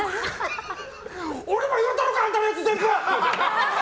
俺も言うたろかあんたのやつ全部！